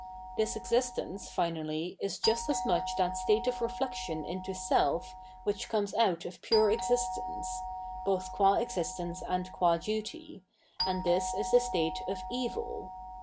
This existence, finally, is just as much that state of reflection into self which comes out of pure existence — ^both gua existence and gua duty and this is the state of evil.